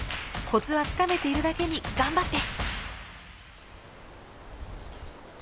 コツはつかめているだけに頑張って！